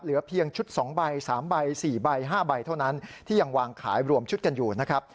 เหลือเพียงชุด๒ใบ๓ใบ๔ใบ๕ใบเท่านั้นที่ยังวางขายรวมชุดกันอยู่นะครับ